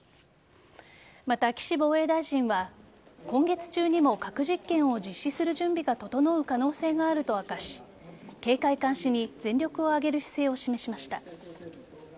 また、岸防衛大臣は今月中にも核実験を実施する準備が整う可能性があると明かし警戒監視に全力を挙げる姿勢を示しました。